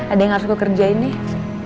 ada yang harus kukerjain nih